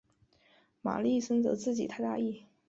玛丽深责自己太大意。